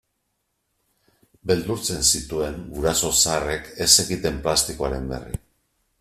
Beldurtzen zituen guraso zaharrek ez zekiten plastikoaren berri.